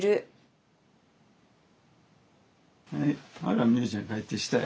ほら美夢ちゃん帰ってきたよ。